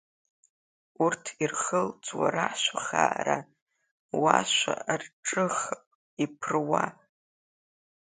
Урҭ ирхылҵуа рашәа хаара, уашәа арҿыхап иԥыруа.